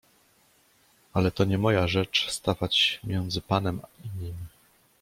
"Ale to nie moja rzecz stawać między panem i nim."